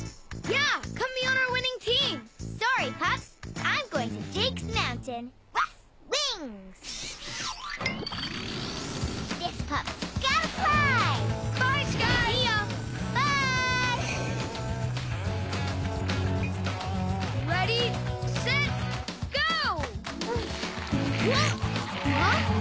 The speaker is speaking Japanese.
あっ。